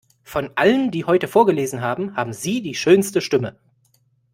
Von allen, die heute vorgelesen haben, haben Sie die schönste Stimme.